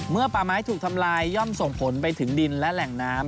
ป่าไม้ถูกทำลายย่อมส่งผลไปถึงดินและแหล่งน้ำ